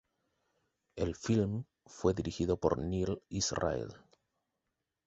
El film fue dirigido por Neal Israel.